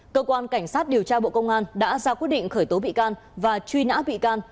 cơ quan cảnh sát điều tra bộ công an đã ra quyết định khởi tố bị can và truy nã bị can